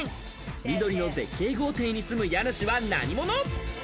緑の絶景豪邸に住む家主は何者？